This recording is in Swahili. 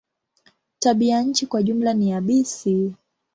Tabianchi kwa jumla ni yabisi.